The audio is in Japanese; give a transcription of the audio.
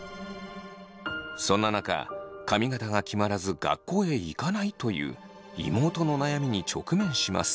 そんな中髪形が決まらず学校へ行かないという妹の悩みに直面します。